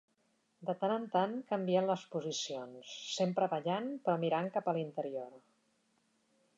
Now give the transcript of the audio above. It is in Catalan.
De tant en tant canvien les posicions, sempre ballant però mirant cap a l'interior.